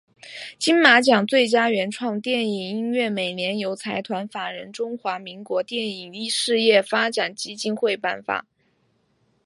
金马奖最佳原创电影音乐每年由财团法人中华民国电影事业发展基金会颁发。